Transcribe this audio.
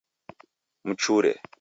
Mchure